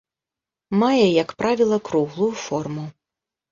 Мае, як правіла, круглую форму.